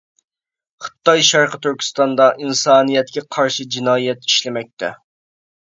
خىتاي شەرقى تۈركىستاندا ئىنسانىيەتكە قارشى جىنايەت ئىشلىمەكتە.